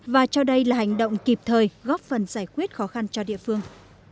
và cho đây là hành động kịp thời góp phần giải quyết khó khăn cho địa phương